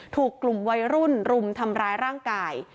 ถูกกลุ่มวัยรุ่นรุมทำร้ายร่างกาย